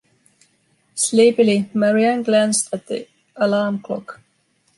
Sleepily, Marianne glanced at the alarm clock.